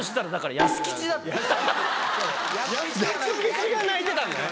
安吉が泣いてたんだね。